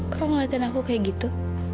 kok ngeliatin aku kayak gitu